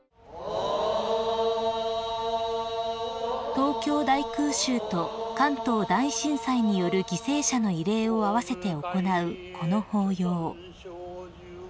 ［東京大空襲と関東大震災による犠牲者の慰霊を併せて行うこの法要］